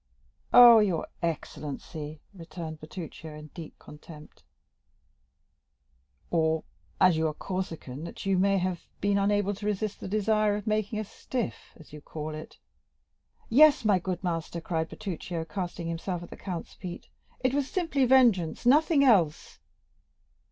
"Oh, your excellency!" returned Bertuccio in deep contempt. "Or, as you are a Corsican, that you had been unable to resist the desire of making a 'stiff,' as you call it." "Yes, my good master," cried Bertuccio, casting himself at the count's feet, "it was simply vengeance—nothing else."